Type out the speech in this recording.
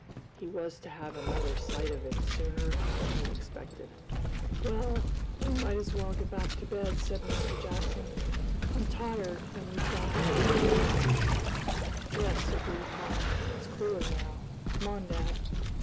He was to have another sight of it sooner than he expected. "Well, we may as well get back to bed," said Mr. Jackson. "I'm tired, and we've got lots to do to morrow." "Yes," agreed Tom. "It's cooler now. Come on, dad."